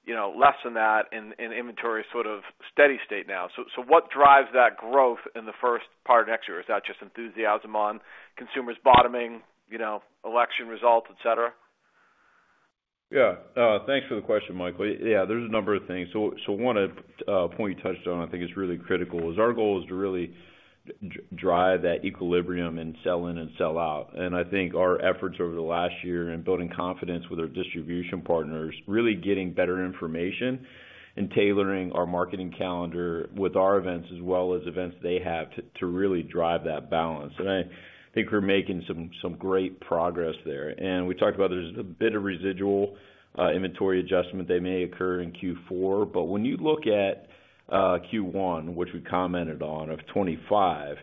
less than that in inventory sort of steady state now. So what drives that growth in the first part of next year? Is that just enthusiasm on consumers bottoming, election results, etc.? Yeah. Thanks for the question, Michael. Yeah, there's a number of things. So one point you touched on, I think, is really critical. Our goal is to really drive that equilibrium in sell-in and sell-out. I think our efforts over the last year in building confidence with our distribution partners, really getting better information and tailoring our marketing calendar with our events as well as events they have to really drive that balance. I think we're making some great progress there. We talked about there's a bit of residual inventory adjustment that may occur in Q4. When you look at Q1, which we commented on of 2025,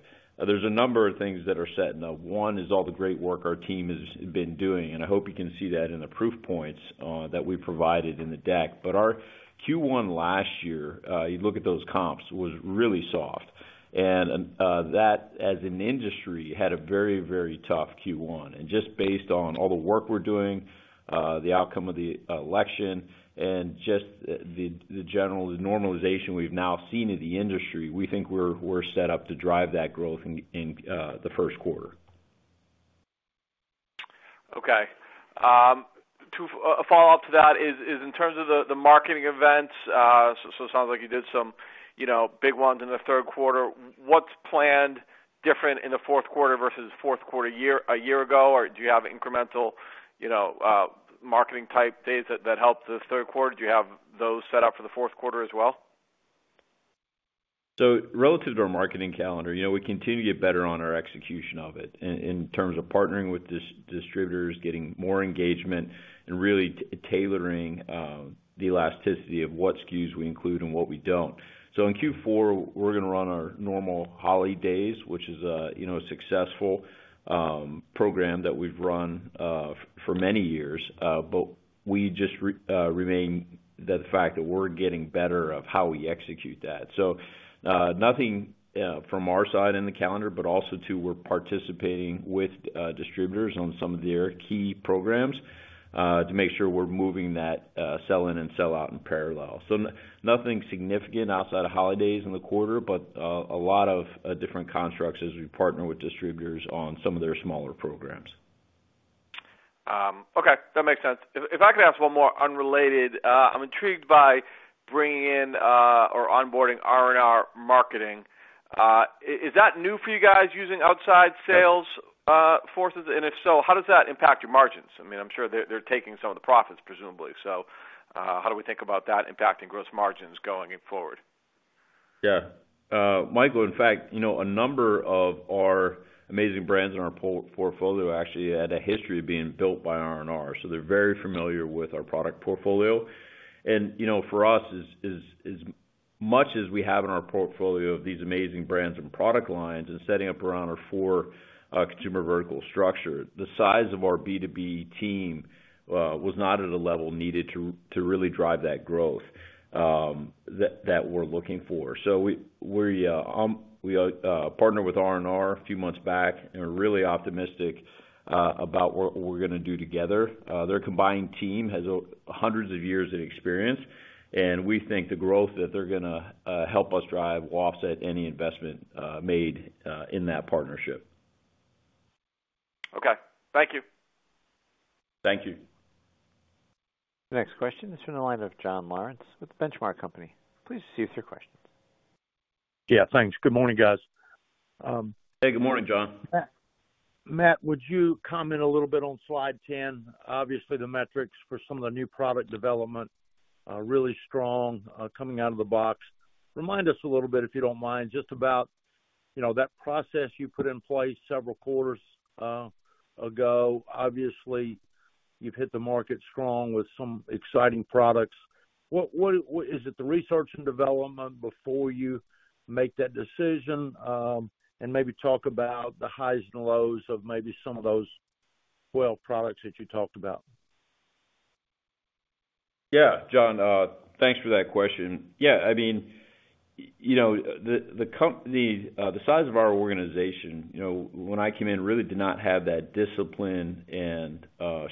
there's a number of things that are setting up. One is all the great work our team has been doing. I hope you can see that in the proof points that we provided in the deck. But our Q1 last year, you look at those comps, was really soft. And that, as an industry, had a very, very tough Q1. And just based on all the work we're doing, the outcome of the election, and just the general normalization we've now seen in the industry, we think we're set up to drive that growth in the first quarter. Okay. A follow-up to that is, in terms of the marketing events, so it sounds like you did some big ones in the third quarter. What's planned different in the fourth quarter versus fourth quarter a year ago? Or do you have incremental marketing-type days that helped the third quarter? Do you have those set up for the fourth quarter as well? Relative to our marketing calendar, we continue to get better on our execution of it in terms of partnering with distributors, getting more engagement, and really tailoring the elasticity of what SKUs we include and what we don't. In Q4, we're going to run our normal Holley Days, which is a successful program that we've run for many years. But we just reiterate the fact that we're getting better at how we execute that. Nothing from our side in the calendar, but also too, we're participating with distributors on some of their key programs to make sure we're moving that sell-in and sell-out in parallel. Nothing significant outside of Holley Days in the quarter, but a lot of different constructs as we partner with distributors on some of their smaller programs. Okay. That makes sense. If I could ask one more unrelated, I'm intrigued by bringing in or onboarding R&R Marketing. Is that new for you guys using outside sales forces? And if so, how does that impact your margins? I mean, I'm sure they're taking some of the profits, presumably. So how do we think about that impacting gross margins going forward? Yeah. Michael, in fact, a number of our amazing brands in our portfolio actually had a history of being built by R&R. So they're very familiar with our product portfolio. And for us, as much as we have in our portfolio of these amazing brands and product lines and setting up around our four consumer vertical structure, the size of our B2B team was not at a level needed to really drive that growth that we're looking for. So we partnered with R&R a few months back and are really optimistic about what we're going to do together. Their combined team has hundreds of years of experience. And we think the growth that they're going to help us drive will offset any investment made in that partnership. Okay. Thank you. Thank you. The next question is from the line of Jon Lawrence with The Benchmark Company. Please proceed with your questions. Yeah. Thanks. Good morning, guys. Hey, good morning, Jon. Matt, would you comment a little bit on Slide 10? Obviously, the metrics for some of the new product development are really strong coming out of the box. Remind us a little bit, if you don't mind, just about that process you put in place several quarters ago. Obviously, you've hit the market strong with some exciting products. Is it the research and development before you make that decision? And maybe talk about the highs and lows of maybe some of those 12 products that you talked about. Yeah. Jon, thanks for that question. Yeah. I mean, the size of our organization, when I came in, really did not have that discipline and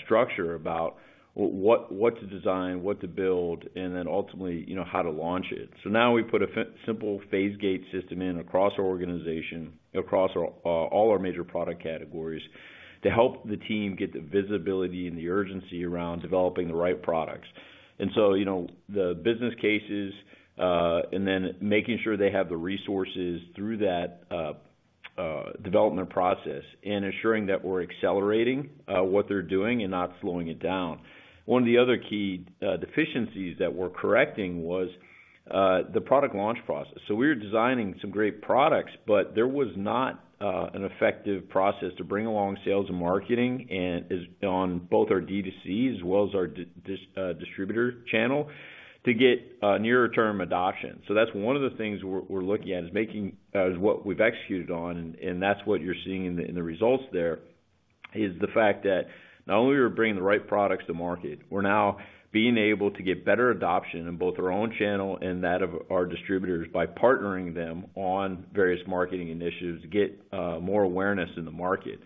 structure about what to design, what to build, and then ultimately how to launch it. So now we put a simple phase gate system in across our organization, across all our major product categories to help the team get the visibility and the urgency around developing the right products. And so the business cases and then making sure they have the resources through that development process and ensuring that we're accelerating what they're doing and not slowing it down. One of the other key deficiencies that we're correcting was the product launch process. So, we were designing some great products, but there was not an effective process to bring along sales and marketing on both our DTCs as well as our distributor channel to get nearer-term adoption. So, that's one of the things we're looking at is what we've executed on. And that's what you're seeing in the results there is the fact that not only are we bringing the right products to market, we're now being able to get better adoption in both our own channel and that of our distributors by partnering them on various marketing initiatives to get more awareness in the market.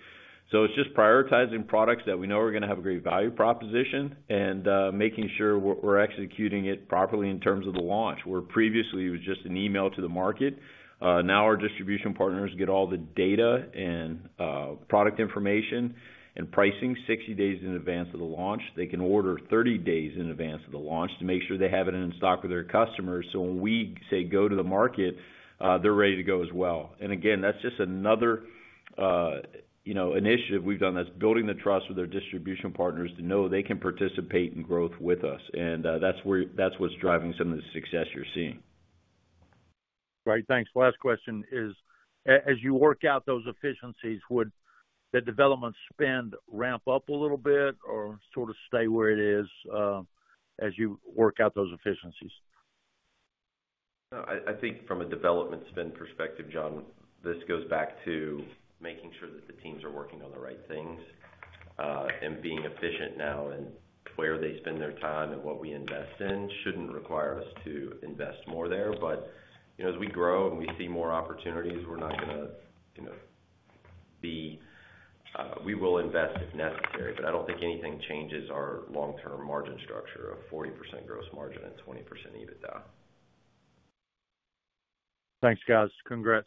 So, it's just prioritizing products that we know are going to have a great value proposition and making sure we're executing it properly in terms of the launch. Where previously it was just an email to the market, now our distribution partners get all the data and product information and pricing 60 days in advance of the launch. They can order 30 days in advance of the launch to make sure they have it in stock with their customers. So when we say go to the market, they're ready to go as well. And again, that's just another initiative we've done that's building the trust with our distribution partners to know they can participate in growth with us. And that's what's driving some of the success you're seeing. Right. Thanks. Last question is, as you work out those efficiencies, would the development spend ramp up a little bit or sort of stay where it is as you work out those efficiencies? I think from a development spend perspective, Jon, this goes back to making sure that the teams are working on the right things and being efficient now in where they spend their time and what we invest in shouldn't require us to invest more there. But as we grow and we see more opportunities, we will invest if necessary. But I don't think anything changes our long-term margin structure of 40% gross margin and 20% EBITDA. Thanks, guys. Congrats.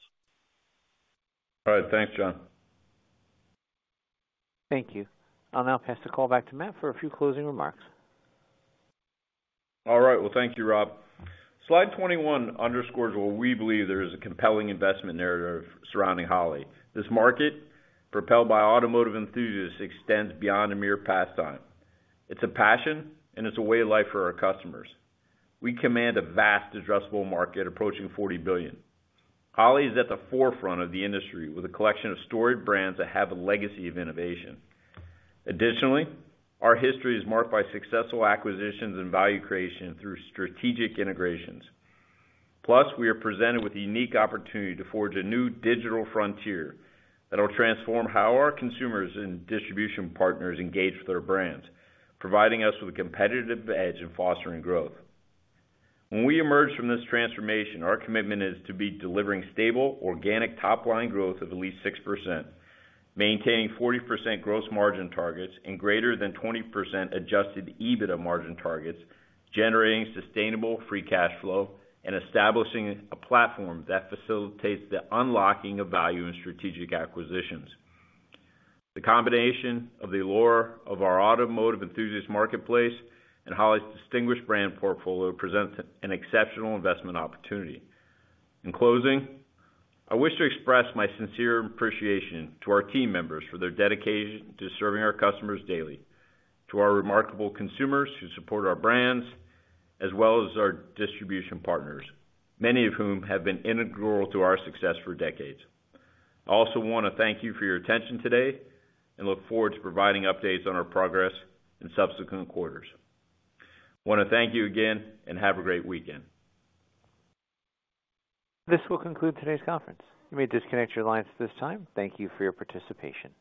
All right. Thanks, Jon. Thank you. I'll now pass the call back to Matt for a few closing remarks. All right. Well, thank you, Rob. Slide 21 underscores what we believe there is a compelling investment narrative surrounding Holley. This market, propelled by automotive enthusiasts, extends beyond a mere pastime. It's a passion, and it's a way of life for our customers. We command a vast, addressable market approaching $40 billion. Holley is at the forefront of the industry with a collection of storied brands that have a legacy of innovation. Additionally, our history is marked by successful acquisitions and value creation through strategic integrations. Plus, we are presented with a unique opportunity to forge a new digital frontier that will transform how our consumers and distribution partners engage with our brands, providing us with a competitive edge in fostering growth. When we emerge from this transformation, our commitment is to be delivering stable, organic top-line growth of at least 6%, maintaining 40% gross margin targets and greater than 20% Adjusted EBITDA margin targets, generating sustainable free cash flow, and establishing a platform that facilitates the unlocking of value in strategic acquisitions. The combination of the allure of our automotive enthusiast marketplace and Holley's distinguished brand portfolio presents an exceptional investment opportunity. In closing, I wish to express my sincere appreciation to our team members for their dedication to serving our customers daily, to our remarkable consumers who support our brands, as well as our distribution partners, many of whom have been integral to our success for decades. I also want to thank you for your attention today and look forward to providing updates on our progress in subsequent quarters. I want to thank you again and have a great weekend. This will conclude today's conference. You may disconnect your lines at this time. Thank you for your participation.